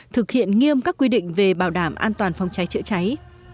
thực hiện nghiêm các quy định về bảo đảm an toàn phòng cháy chữa cháy